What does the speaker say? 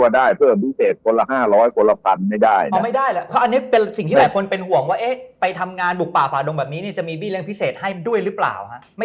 อันนี้เป็นสิ่งที่หลายคนเป็นห่วงว่าไปทำงานบุกป่าศาลงค์แบบนี้จะมีบี้เลี้ยงพิเศษให้ด้วยหรือเปล่า